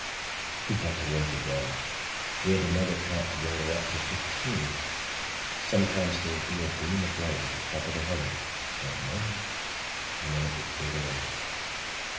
He got to work again. We had another count together up to fifteen. Sometimes there would be a gleam of white at the top of the heather for a moment and then it would fade away.